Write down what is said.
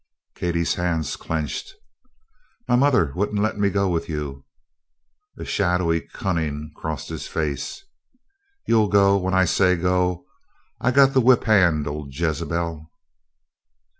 Katie's hands clenched. "My mother wouldn't let me go with you!" A shadowy cunning crossed his face. "You'll go, when I say so. I got the whip hand o' Jezebel."